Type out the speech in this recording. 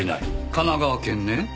神奈川県ね。